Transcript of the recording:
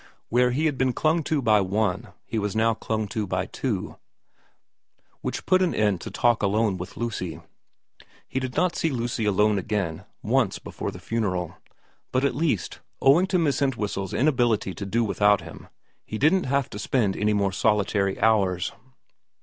Where he had been clung to by one he was now clung to by two, which put an end to talk alone with Lucy. He did not see Lucy alone again once before the funeral, but at least, owing to Miss Entwhistle's inability to do without him, he didn't have to spend any more solitary hours.